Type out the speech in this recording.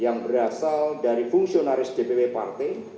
yang berasal dari fungsionaris dpp partai